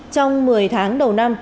trong một mươi tháng đầu năm